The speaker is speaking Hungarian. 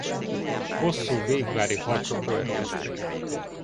Hosszú végvári harcok következtek.